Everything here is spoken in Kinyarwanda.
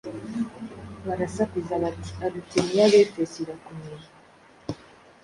barasakuza bati: ‘Arutemi y’Abefeso irakomeye!”